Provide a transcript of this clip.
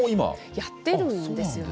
やってるんですよね。